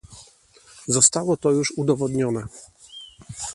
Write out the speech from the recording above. Zostało to już udowodnione